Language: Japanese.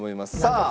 さあ。